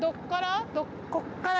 どこから？